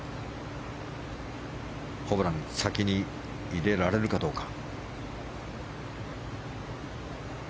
ホブラン先に入れられるかどうか。